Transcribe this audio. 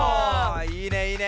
いいね！